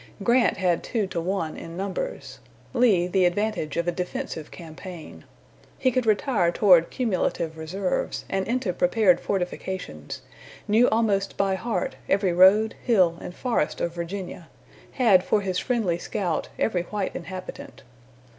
Grant had two to one in numbers; Lee the advantage of a defensive campaign. He could retire toward cumulative reserves, and into prepared fortifications; knew almost by heart every road, hill, and forest of Virginia; had for his friendly scout every white inhabitant.